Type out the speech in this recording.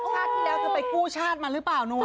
ชาติที่แล้วเธอไปกู้ชาติมาหรือเปล่าหนู